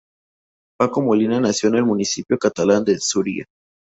Paco Molina nació en el municipio catalán de Suria.